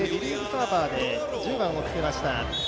サーバーで１０番をつけました